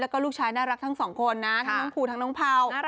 แล้วก็ลูกชายน่ารักทั้งสองคนนะทั้งน้องภูทั้งน้องเภา